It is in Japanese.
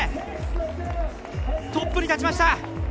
トップに立ちました！